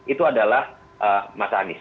itu adalah mas anies